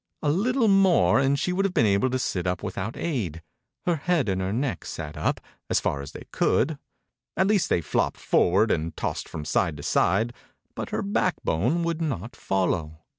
A little more and she would have been able to sit up without aid. Her head and her neck sat up — as far as they could. At least they flopped forward and tossed from side to side, but her backbone would not follow.